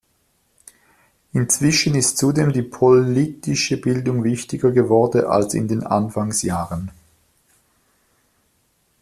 Inzwischen ist zudem die politische Bildung wichtiger geworden als in den Anfangsjahren.